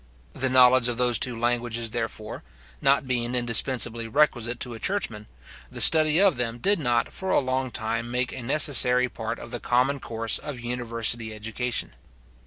The knowledge of those two languages, therefore, not being indispensably requisite to a churchman, the study of them did not for along time make a necessary part of the common course of university education.